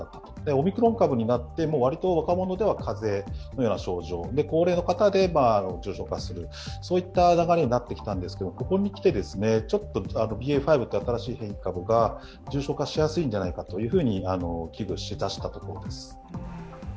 オミクロン株になって、割と若者では風邪のような症状、高齢の方で重症化するという流れになってたんですけどここにきて、ちょっとＢＡ．５という新しい変異株が重症化しやすいんじゃないかと危惧しだしたところです。